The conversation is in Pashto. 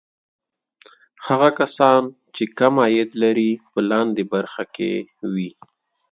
هغه کسان چې کم عاید لري په لاندې برخه کې وي.